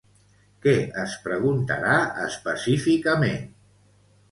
Què es preguntarà, específicament?